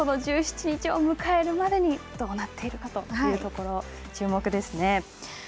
１７日を迎えるまでにどうなっているかというところ注目ですね。